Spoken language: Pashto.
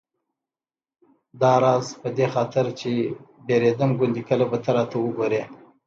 داراز په دې خاطر چې ډارېدم ګوندې کله به ته راته وګورې.